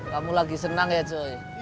kamu lagi senang ya joy